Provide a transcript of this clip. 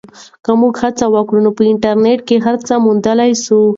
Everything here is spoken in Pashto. که موږ هڅه وکړو نو په انټرنیټ کې هر څه موندلی سو.